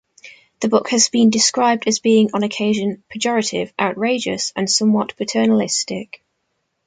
The book has been described as being on occasion pejorative, outrageous, and somewhat paternalistic.